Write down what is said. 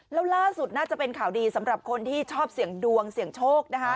แล้วล่าสุดน่าจะเป็นข่าวดีสำหรับคนที่ชอบเสี่ยงดวงเสี่ยงโชคนะคะ